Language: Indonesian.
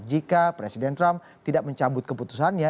jika presiden trump tidak mencabut keputusannya